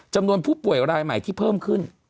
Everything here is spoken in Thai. จำนวนผู้ป่วยรายใหม่ที่เพิ่มขึ้น